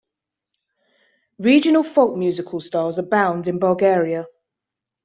Regional folk musical styles abound in Bulgaria.